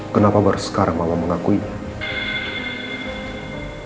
kenapa baru sekarang malah mengakuinya